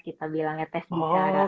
kita bilangnya test bicara